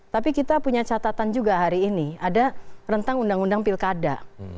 tapi kita punya catatan juga hari ini ada rentang undang undang pilkada